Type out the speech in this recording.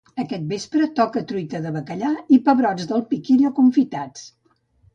Aquest vespre toca truita de bacallà i pebrots del piquillo confitats